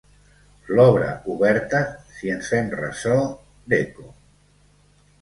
L'obra oberta, si ens fem ressò d'Eco.